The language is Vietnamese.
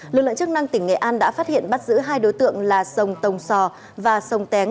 lực lượng chức năng tỉnh nghệ an đã phát hiện bắt giữ hai đối tượng là sông tồng sò và sông téng